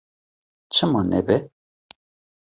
Çima nebe?